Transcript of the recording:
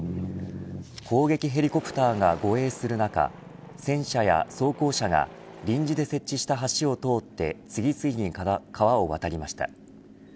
攻撃ヘリコプターが護衛する中戦車や装甲車が臨時で設置した橋を通って次々に川を渡りました。